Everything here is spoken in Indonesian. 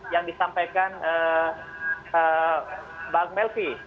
yang disampaikan bang melvi